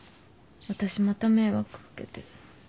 私また迷惑掛けて。